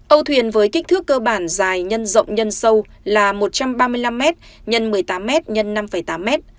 âu thuyền với kích thước cơ bản dài x d x sâu là một trăm ba mươi năm m x một mươi tám m x năm tám m